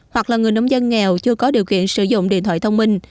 hoặc là người nông dân nghèo chưa có điều kiện sử dụng điện thoại thông minh